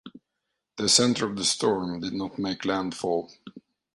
The center of the storm did not make landfall.